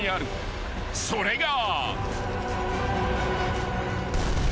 ［それが］